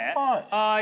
はい。